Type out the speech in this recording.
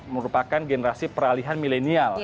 merupakan generasi peralihan milenial